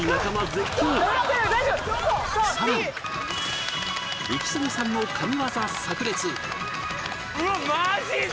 さらにイキスギさんのうわマジで！？